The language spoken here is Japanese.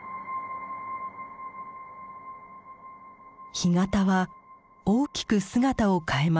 干潟は大きく姿を変えます。